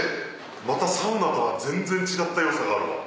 またサウナとは全然違った良さがあるわ。